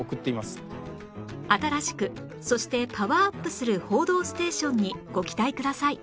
新しくそしてパワーアップする『報道ステーション』にご期待ください